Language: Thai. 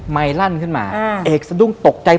ลั่นขึ้นมาเอกสะดุ้งตกใจ